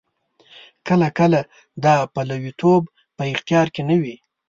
کله کله دا پلویتوب په اختیار کې نه وي.